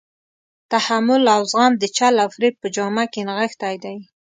تحمل او زغم د چل او فریب په جامه کې نغښتی دی.